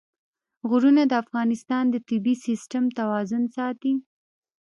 غرونه د افغانستان د طبعي سیسټم توازن ساتي.